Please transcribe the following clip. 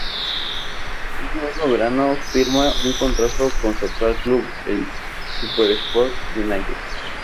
Ese mismo verano firma un contrato con su actual club, el Supersport United.